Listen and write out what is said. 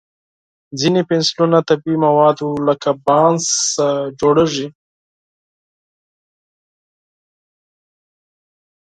ځینې پنسلونه د طبیعي موادو لکه بانس څخه جوړېږي.